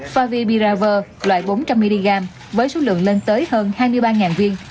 phá vi biravir loại bốn trăm linh mg với số lượng lên tới hơn hai mươi ba viên